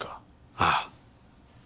ああ。